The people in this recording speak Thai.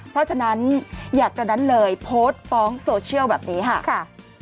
เพราะฉะนั้นอยากกระนั้นเลยโพสต์ฟ้องโซเชียลแบบนี้ค่ะ